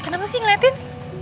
kenapa sih ngeliatin